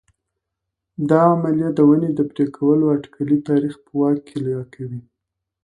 دا عملیه د ونې د پرې کولو اټکلي تاریخ په واک کې راکوي